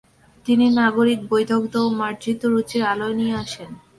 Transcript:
তিনি নাগরিক বৈদগ্ধ ও মার্জিত রুচির আলোয় নিয়ে আসেন।